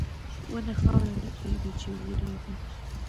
• ونه خاوره نه پرېږدي چې وریږي.